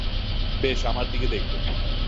বেশ, আমার দিকে দেখুন।